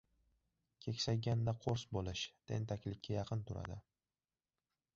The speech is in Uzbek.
Keksayganda qo‘rs bo‘lish, tentaklikka yaqin turadi.